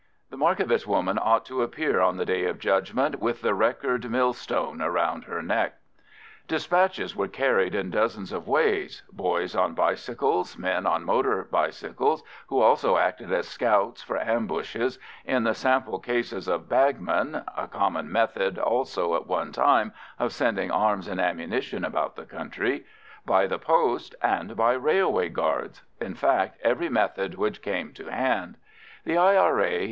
The Markievicz woman ought to appear on the Day of Judgment with the record millstone round her neck. Despatches were carried in dozens of ways—boys on bicycles, men on motor bicycles, who also acted as scouts for ambushes, in the sample cases of bagmen (a common method also at one time of sending arms and ammunition about the country), by the post, and by railway guards—in fact, by every method which came to hand. The I.R.A.